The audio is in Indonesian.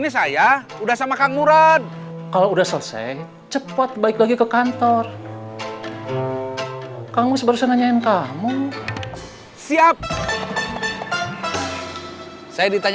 sampai jumpa di video selanjutnya